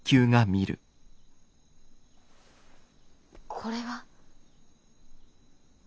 これは。